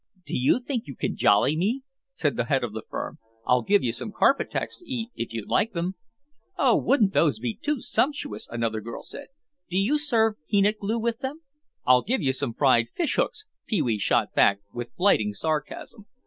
"Do you think you can jolly me?" said the head of the firm. "I'll give you some carpet tacks to eat if you'd like them." "Oh, wouldn't those be too scrumptuous," another girl said. "Do you serve peanut glue with them?" "I'll give you some fried fish hooks," Pee wee shot back with blighting sarcasm.